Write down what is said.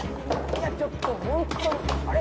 いやちょっとほんとにあれ？